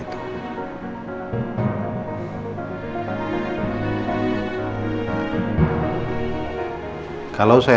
ketika saya menerima